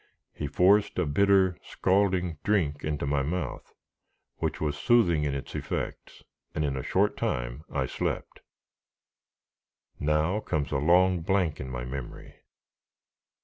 He forced a bitter, scalding drink into my mouth, which was soothing in its effects, and in a short time I slept. Now comes a long blank in my memory.